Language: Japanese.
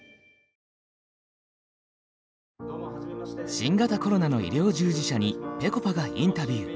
新型コロナの医療従事者にぺこぱがインタビュー。